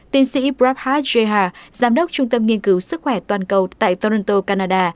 tiến sĩ prabhat jeha giám đốc trung tâm nghiên cứu sức khỏe toàn cầu tại toronto canada